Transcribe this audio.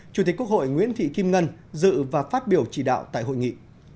chủ tịch quốc hội nguyễn thị kim ngân dự và phát biểu chỉ đạo tại hội nghị